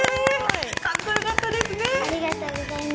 かっこよかったですね。